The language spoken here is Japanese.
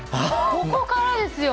ここからですよ。